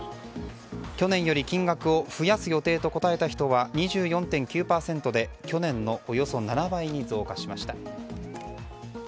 去年より金額を増やす予定と答えた人は２４．９％で去年のおよそ７倍に増加しました。